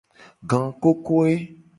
Gangkokoe.